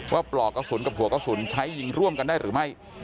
ปลอกกระสุนกับหัวกระสุนใช้ยิงร่วมกันได้หรือไม่